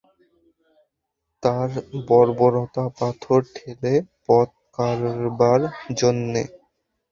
তার বর্বরতা পাথর ঠেলে পথ করবার জন্যে।